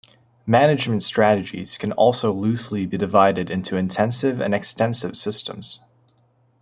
Management strategies can also loosely be divided into intensive and extensive systems.